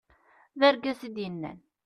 d argaz i d-yennan